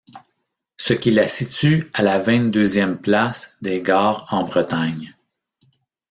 Ce qui la situe à la vingt-deuxième place des gares en Bretagne.